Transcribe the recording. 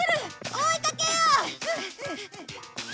追いかけよう！